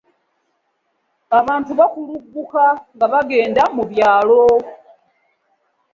Abantu bakuluguka nga bagenda mu byalo.